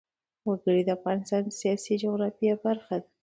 وګړي د افغانستان د سیاسي جغرافیه برخه ده.